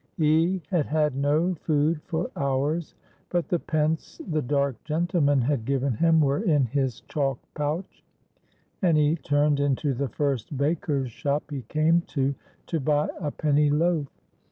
He had had no food for hours, but the pence the dark gentleman had given him were in his chalk pouch, and he turned into the first baker's shop he came to to buy a penny loaf.